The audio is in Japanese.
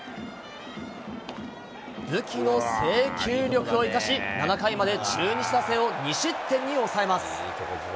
武器の制球力を生かし、７回まで中日打線を２失点に抑えます。